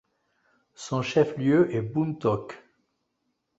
Son chef-lieu est Buntok.